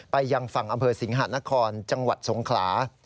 ไปยังฝั่งอำเภอสิงหานครจังหวัดสงขลา